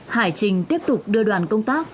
hải trình tiếp tục đưa đoàn công tác